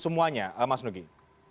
semuanya mas nugi